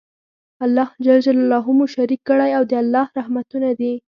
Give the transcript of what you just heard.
الله ج مو شريک کړی او د الله رحمتونه دي